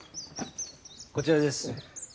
こちらです。